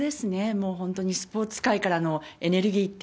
もう本当にスポーツ界からのエネルギーって